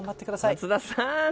松田さん。